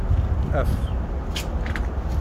Af.